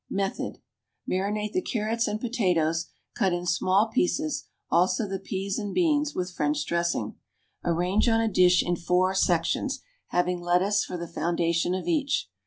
Method. Marinate the carrots and potatoes, cut in small pieces, also the peas and beans, with French dressing. Arrange on a dish in four sections, having lettuce for the foundation of each.